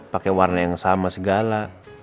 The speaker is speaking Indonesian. pakai warna yang sama segala